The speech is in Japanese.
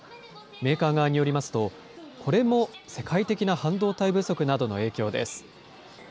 メーカー側によりますと、これも世界的な半導体不足などの影響です。